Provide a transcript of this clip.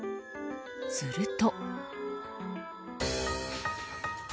すると。